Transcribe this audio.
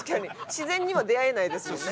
自然には出会えないですもんね。